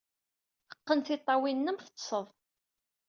Qqen tiṭṭawin-nnem, teḍḍsed!